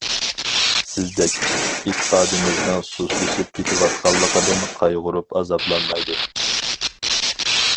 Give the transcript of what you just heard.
سىزدەك، ئېتىقادىمىزنىڭ سۇسلىشىپ كېتىۋاتقانلىقىدىن قايغۇرۇپ ئازابلانمايدۇ.